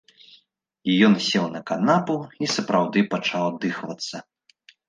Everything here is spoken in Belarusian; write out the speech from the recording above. Ён сеў на канапу і сапраўды пачаў аддыхвацца.